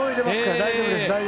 大丈夫です。